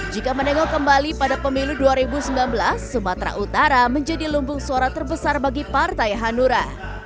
jika menengok kembali pada pemilu dua ribu sembilan belas sumatera utara menjadi lumbung suara terbesar bagi partai hanura